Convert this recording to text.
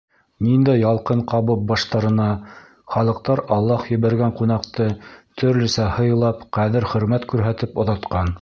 Ниндәй ялҡын ҡабып баштарына, Халыҡтар Аллаһ ебәргән ҡунаҡты төрлөсә һыйлап, ҡәҙер-хөрмәт күрһәтеп оҙатҡан.